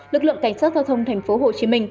lực lượng cảnh sát giao thông tp hcm